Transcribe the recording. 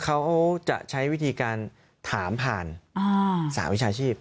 เขาจะใช้วิธีการถามผ่านสหวิชาชีพ